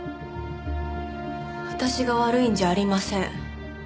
私が悪いんじゃありません。